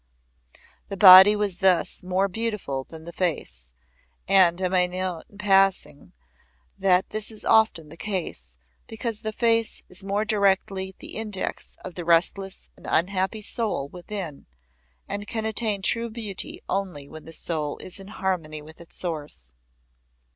The body was thus more beautiful than the face, and I may note in passing that this is often the case, because the face is more directly the index of the restless and unhappy soul within and can attain true beauty only when the soul is in harmony with its source.